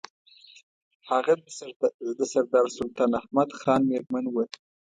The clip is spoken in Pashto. هغه د سردار سلطان احمد خان مېرمن وه.